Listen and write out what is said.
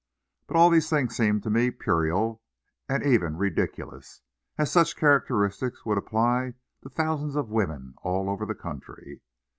But all these things seemed to me puerile and even ridiculous, as such characteristics would apply to thousands of woman all over the country.